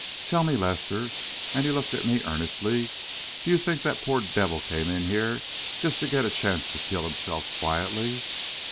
"Tell me, Lester," and he looked at me earnestly, "do you think that poor devil came in here just to get a chance to kill himself quietly?"